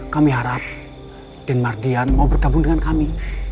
kami harap den mardian mau bergabung dengan kami